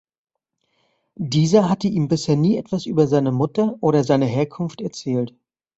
Dieser hatte ihm bisher nie etwas über seine Mutter oder seine Herkunft erzählt.